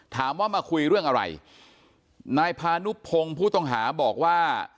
ถามว่ามาคุยเรื่องอะไรนายพานุพงศ์ผู้ต้องหาบอกว่า